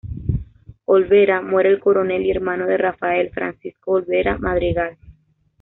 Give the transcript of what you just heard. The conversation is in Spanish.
Olvera, muere el coronel y hermano de Rafael, Francisco Olvera Madrigal.